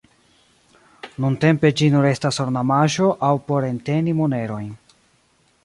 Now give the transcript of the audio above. Nuntempe ĝi nur estas ornamaĵo aŭ por enteni monerojn.